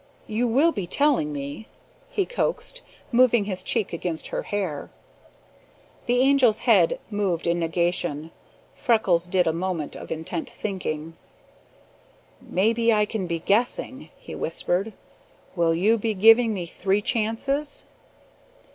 You will be telling me?" he coaxed, moving his cheek against her hair. The Angel's head moved in negation. Freckles did a moment of intent thinking. "Maybe I can be guessing," he whispered. "Will you be giving me three chances?"